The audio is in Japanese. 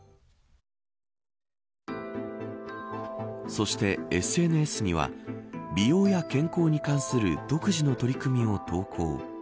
そして、ＳＮＳには美容や健康に関する独自の取り組みを投稿。